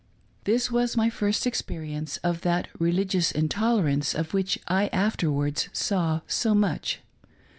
This was my first experience of that relig ious intolerance of which I afterwards saw so much.